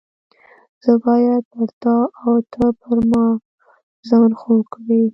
زه باید پر تا او ته پر ما ځان خوږ کړې.